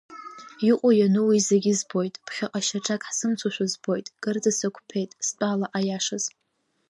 Иҟоу, иану уи зегь збоит, ԥхьаҟа шьаҿак ҳзымцошәа збоит, кырӡа сықәԥеит, стәала, аиашаз…